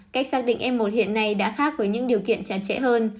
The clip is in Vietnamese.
cách xác định e một hiện nay đã khác với những điều kiện chặt chẽ hơn